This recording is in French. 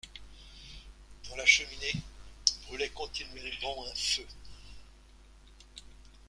Dans la cheminée brûlait continuellement un feu.